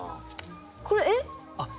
これえっ⁉